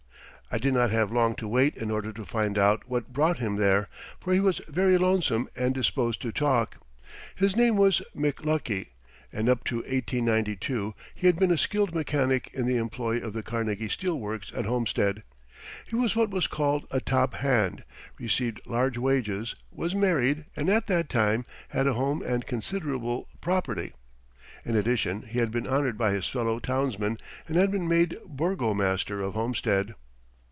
I did not have long to wait in order to find out what brought him there, for he was very lonesome and disposed to talk. His name was McLuckie, and up to 1892 he had been a skilled mechanic in the employ of the Carnegie Steel Works at Homestead. He was what was called a "top hand," received large wages, was married, and at that time had a home and considerable property. In addition, he had been honored by his fellow townsmen and had been made burgomaster of Homestead.